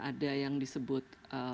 ada yang disebut